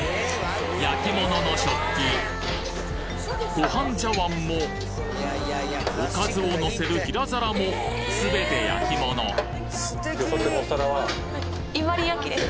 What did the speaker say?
焼き物の食器ご飯茶碗もおかずをのせる平皿も全て焼き物伊万里焼。